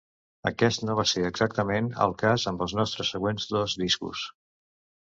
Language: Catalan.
Aquest no va ser exactament el cas amb els nostres següents dos discos.